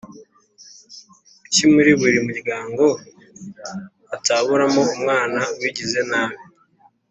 Kuki muri buri muryango hataburamo umwana wigize nabi